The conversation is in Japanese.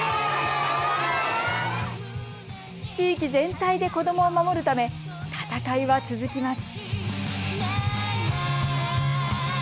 地域全体で子どもを守るため闘いは続きます。